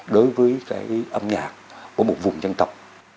đối với âm nhạc của một vùng dân tộc